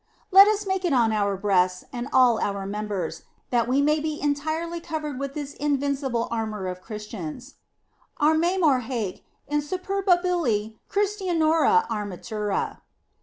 Let us make it on our breasts and all our members, that we may be entirely covered with this invincible armor of Christians; arme mur hac insuperabili christianorum armatura.